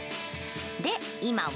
で、今は。